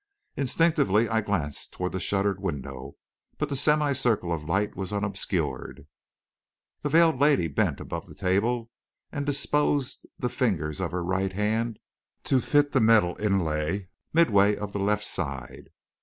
Instinctively, I glanced toward the shuttered window, but the semi circle of light was unobscured. The veiled lady bent above the table and disposed the fingers of her right hand to fit the metal inlay midway of the left side.